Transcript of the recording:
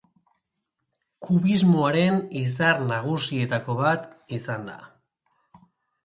Kubismoaren izar nagusietako bat izan da.